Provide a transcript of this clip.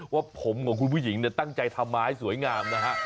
ว่าผมของคุณผู้หญิงเนี่ยตั้งใจทำให้สวยงามนะฮะ